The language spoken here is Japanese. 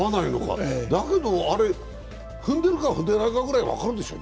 だけどあれ、踏んでるか踏んでないかぐらい自分で分かるでしょ。